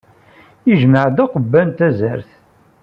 Yejmeɛ-d aqba n tazart.